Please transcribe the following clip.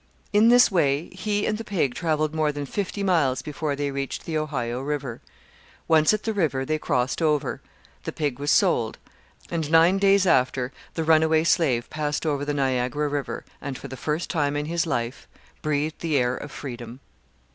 In this way he and the pig travelled more than fifty miles before they reached the Ohio river. Once at the river they crossed over; the pig was sold; and nine days after the runaway slave passed over the Niagara river, and, for the first time in his life, breathed the air of freedom.